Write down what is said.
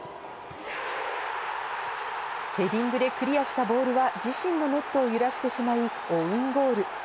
ヘディングでクリアしたボールは自身のネットを揺らしてしまいオウンゴール。